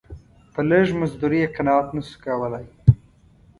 په لږ مزدوري یې قناعت نه سو کولای.